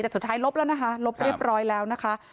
แต่สุดท้ายลบแล้วนะคะลบเรียบร้อยแล้วนะคะ